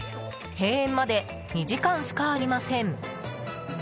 閉園まで２時間しかありません。